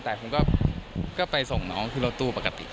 แต่ผมก็ไปส่งน้องขึ้นรถตู้ปกติ